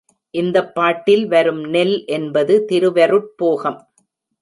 இந்தப் பாட்டில் வரும் நெல் என்பது திருவருட் போகம்.